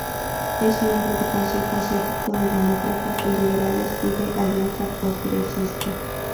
Es miembro del Consejo Asiático de Demócratas y Liberales, y de la Alianza Progresista.